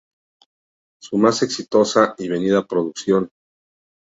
Su más exitosa y vendida producción.